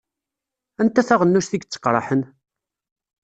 Anta taɣennust i yetteqṛaḥen?